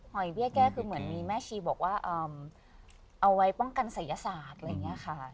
อยเบี้ยแก้คือเหมือนมีแม่ชีบอกว่าเอาไว้ป้องกันศัยศาสตร์อะไรอย่างนี้ค่ะ